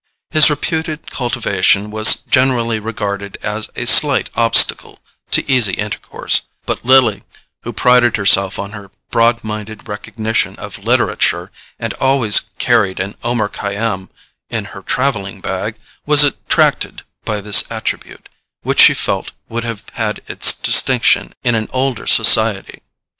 His reputed cultivation was generally regarded as a slight obstacle to easy intercourse, but Lily, who prided herself on her broad minded recognition of literature, and always carried an Omar Khayam in her travelling bag, was attracted by this attribute, which she felt would have had its distinction in an older society.